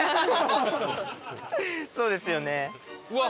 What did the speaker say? そうですよね。